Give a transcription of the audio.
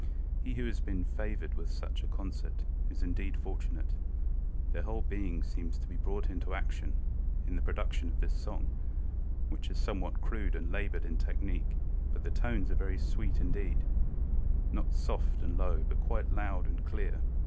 He who has been favored with such a concert is indeed fortunate. Their whole being seems to be brought into action in the production of this song, which is "somewhat crude and labored in technique, but the tones are very sweet indeed, not soft and low but quite loud and clear.